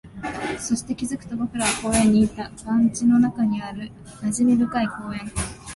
そして、気づくと僕らは公園にいた、団地の中にある馴染み深い公園